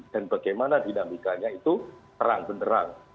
dan bagaimana dinamikannya itu terang benderang